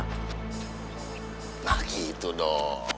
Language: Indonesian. hai nah gitu dong